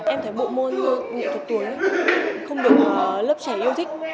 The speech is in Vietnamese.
em thấy bộ môn nghệ thuật tuổi không được lớp trẻ yêu thích